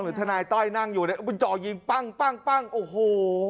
ทนายต้อยนั่งอยู่เนี่ยมันจ่อยิงปั้งปั้งปั้งโอ้โห